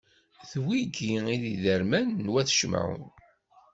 D wigi i d iderman n wat Cimɛun.